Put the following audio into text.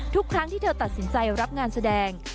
ทุกครั้งที่เธอตัดสินใจรับงานแสดง